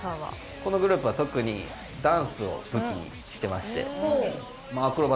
このグループは特にダンスを武器にしてまして。